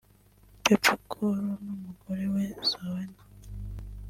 Bebe Cool n’umugore we Zuena